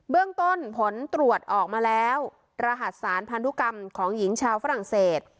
เรื่องต้นผลตรวจออกมาแล้วรหัสสารพันธุกรรมของหญิงชาวฝรั่งเศส